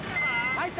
入った。